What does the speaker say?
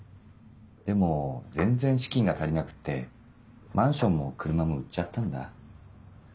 でも全然資金が足りなくってマンションも車も売っちゃったんだ。